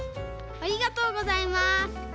ありがとうございます。